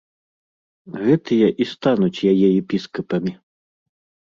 Гэтыя і стануць яе епіскапамі.